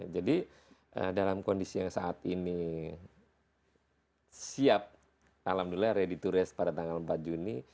jadi dalam kondisi yang saat ini siap alhamdulillah ready to rest pada tanggal empat juni